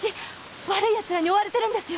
悪い奴らに追われてるんですよ！